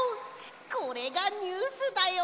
これがニュースだよ！